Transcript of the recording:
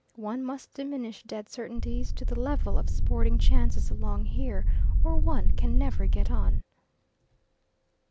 One must diminish dead certainties to the level of sporting chances along here, or one can never get on.